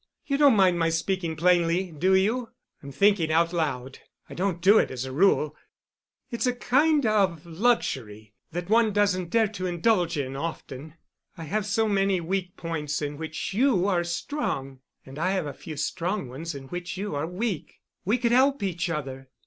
You don't mind my speaking plainly, do you? I'm thinking out loud. I don't do it as a rule. It's a kind of luxury that one doesn't dare to indulge in often. I have so many weak points in which you are strong, and I have a few strong ones in which you are weak, we could help each other.